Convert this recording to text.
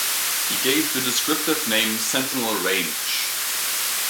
He gave the descriptive name Sentinel Range.